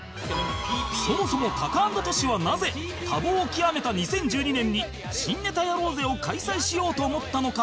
そもそもタカアンドトシはなぜ多忙を極めた２０１２年に「新ネタやろうぜ！」を開催しようと思ったのか？